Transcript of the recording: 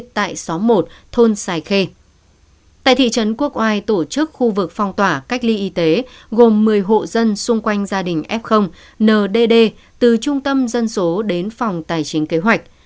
tại thị trấn quốc oai tổ chức khu vực phong tỏa cách ly y tế gồm một mươi hộ dân xung quanh gia đình f ndd từ trung tâm dân số đến phòng tài chính kế hoạch